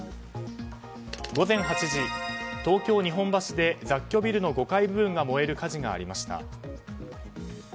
午前８時、東京・日本橋で雑居ビルの５階部分が燃える火事がありました。